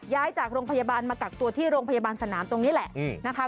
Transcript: ย้ายจากโรงพยาบาลมากักตัวที่โรงพยาบาลสนามตรงนี้แหละนะคะ